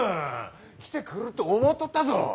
来てくるっと思うとったぞ！